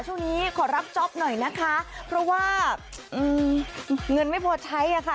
ช่วงนี้ขอรับจ๊อปหน่อยนะคะเพราะว่าเงินไม่พอใช้อ่ะค่ะ